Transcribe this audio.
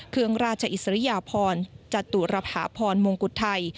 เครื่องราชอิสริยพรจตุรภาพรมงกุฏไทย